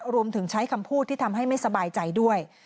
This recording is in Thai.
ใช้คำพูดที่ทำให้ไม่สบายใจด้วย